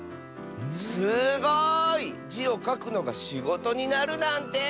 すごい！「じ」をかくのがしごとになるなんて！